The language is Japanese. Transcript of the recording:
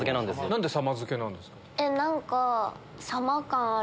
何で「さま」付けなんですか？